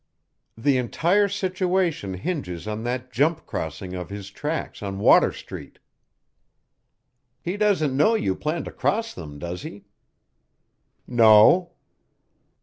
"The entire situation hinges on that jump crossing of his tracks on Water Street." "He doesn't know you plan to cross them, does he?" "No."